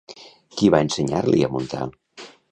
Qui va ensenyar-li a muntar?